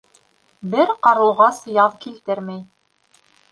Бер ҡарлуғас яҙ килтермәй.